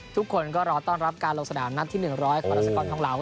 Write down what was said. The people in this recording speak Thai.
ทุกคนก็รอต้อนรับการลงสนามนัดที่๑๐๐ของรัสกอนทองเหลา